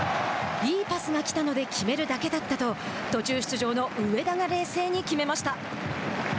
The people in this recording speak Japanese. いいパスが来たので決めるだけだったと途中出場の上田が冷静に決めました。